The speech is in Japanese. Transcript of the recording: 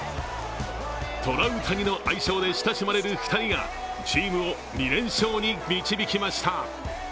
トラウタニの愛称で親しまれる２人がチームを２連勝に導きました。